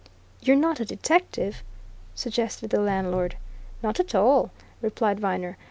"You're not a detective?" suggested the landlord. "Not at all!" replied Viner.